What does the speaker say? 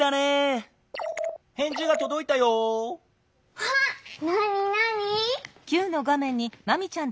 あっなになに？